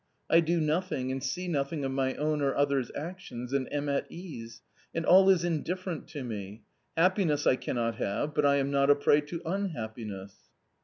I do nothing, and see nothing of my own or other's actions and am at ease, and all is indifferent to me — happiness I cannot have, but I am not a prey to unhappiness."